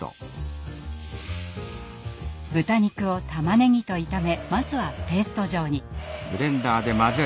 豚肉を玉ねぎと炒めまずはペースト状に。